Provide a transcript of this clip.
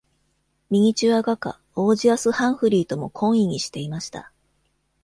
ミニチュア画家、オージアス・ハンフリーとも懇意にしていました。